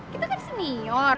kita kan senior